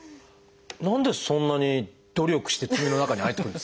何でそんなに努力して爪の中に入ってくるんですか？